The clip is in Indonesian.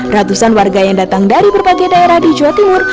ratusan warga yang datang dari berbagai daerah di jawa timur